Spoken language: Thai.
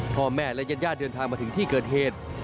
พ่อแม่และญาติยันทราบมาถึงที่เกิดเหตุ